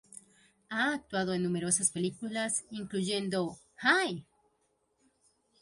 Ha actuado en numerosas películas, incluyendo "Hi!